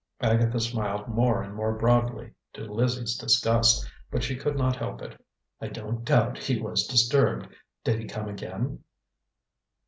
Agatha smiled more and more broadly, to Lizzie's disgust, but she could not help it. "I don't doubt he was disturbed. Did he come again?"